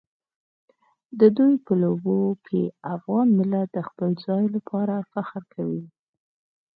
د دوی په لوبو کې افغان ملت د خپل ځای لپاره فخر کوي.